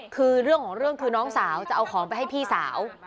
คือเรื่องของเรื่องคือน้องสาวจะเอาของไปให้พี่สาว